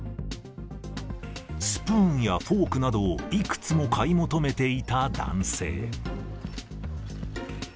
スプーンやフォークなどをいくつも買い求めていた男性。